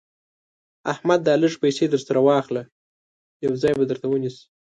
احمده دا لږ پيسې در سره واخله؛ يو ځای به درته ونيسي.